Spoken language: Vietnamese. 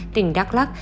tỉnh đắk lắc